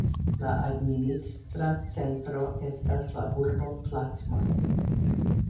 La administra centro estas la urbo Plattsmouth.